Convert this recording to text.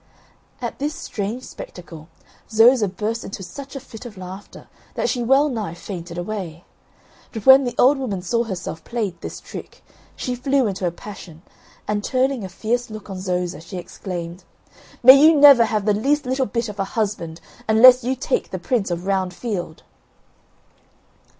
At this strange spectacle Zoza burst into such a fit of laughter that she well nigh fainted away. But when the old woman saw herself played this trick, she flew into a passion, and turning a fierce look on Zoza she exclaimed: "May you never have the least little bit of a husband, unless you take the Prince of Round Field."